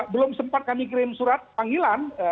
belum sempat kami kirim surat panggilan